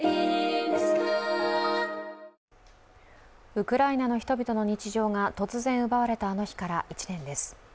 ウクライナの人々の日常が突然奪われたあの日から１年です。